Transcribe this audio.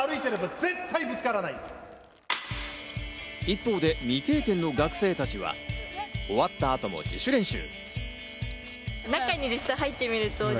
一方で未経験の学生たちは終わった後も自主練習。